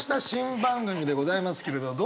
新番組でございますけれど。